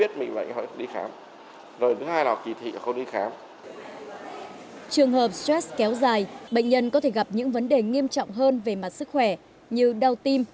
trường hợp stress kéo dài bệnh nhân có thể gặp những vấn đề nghiêm trọng hơn về mặt sức khỏe như đau tim